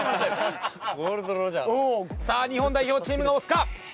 さあ日本代表チームが押すか！？